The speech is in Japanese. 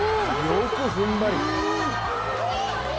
よく踏ん張る。